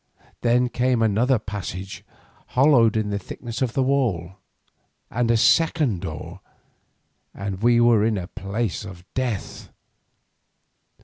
Then came another passage hollowed in the thickness of the wall, and a second door, and we were in the place of death.